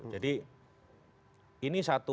jadi ini satu